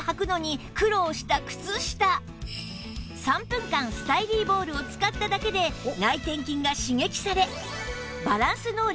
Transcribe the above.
３分間スタイリーボールを使っただけで内転筋が刺激されバランス能力がアップ